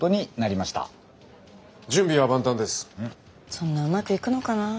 そんなうまくいくのかなあ。